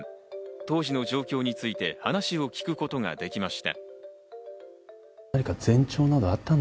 当時の状況について話を聞くことができました。